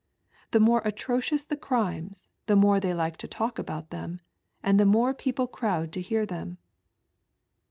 The more atrocions the crimes, the more they like to talk about them, and the more people crowd to hear them."